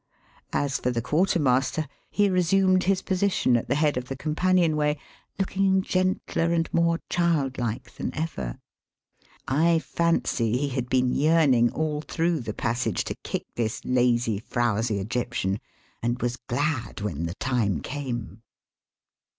As for the quartermaster, he resumed his position at the head of the companion way, looking gentler and more childlike than ever. I fancy he had been yearning all through the passage to kick this lazy, frowsy Egyptian, and was glad when the time came.